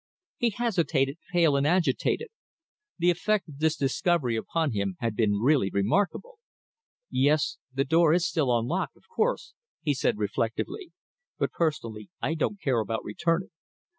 He hesitated, pale and agitated. The effect of this discovery upon him had been really remarkable. "Yes, the door is still unlocked, of course," he said reflectively, "but personally I don't care about returning."